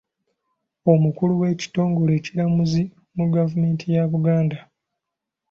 Omukulu w’ekitongole ekiramuzi mu gavumenti ya Buganda.